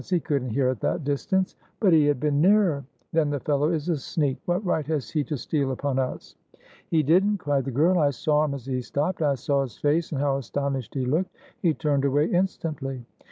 He couldn't hear at that distance." "But he had been nearer." "Then the fellow is a sneak! What right has he to steal upon us?" "He didn't!" cried the girl. "I saw him as he stopped. I saw his face, and how astonished he looked. He turned away instantly."